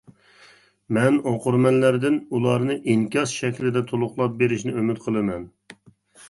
مەن ئوقۇرمەنلەردىن ئۇلارنى ئىنكاس شەكلىدە تولۇقلاپ بېرىشىنى ئۈمىد قىلىمەن.